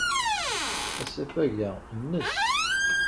Asafag-a nnes.